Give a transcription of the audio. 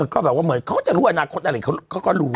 เขาก็จะรู้อนาคตอะไรเขาก็รู้